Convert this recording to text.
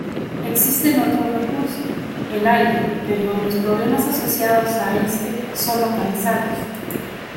Existen otro recurso, el aire, pero los problemas asociados a este son localizados.